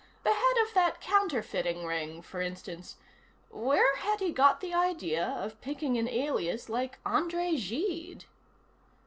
The head of that counterfeiting ring, for instance: where had he got the idea of picking an alias like André Gide?